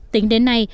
tính đến nay